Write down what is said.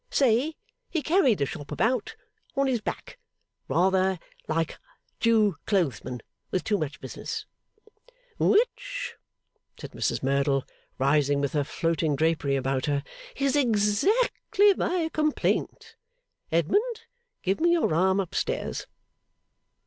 Say he carried the Shop about, on his back rather like Jew clothesmen with too much business.' 'Which,' said Mrs Merdle, rising, with her floating drapery about her, 'is exactly my complaint. Edmund, give me your arm up stairs.